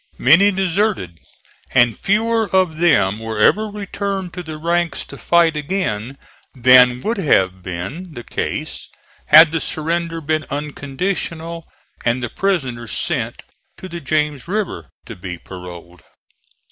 Many deserted, and fewer of them were ever returned to the ranks to fight again than would have been the case had the surrender been unconditional and the prisoners sent to the James River to be paroled.